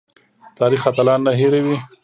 تاریخ اتلان نه هیروي